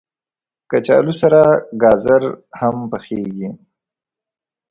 کچالو سره ګازر هم پخېږي